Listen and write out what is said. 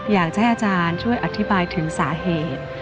อยากจะให้อาจารย์ช่วยอธิบายถึงสาเหตุ